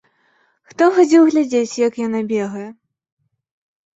Хто хадзіў глядзець, як яна бегае?